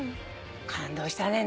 感動したね